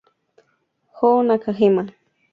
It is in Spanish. Jo Nakajima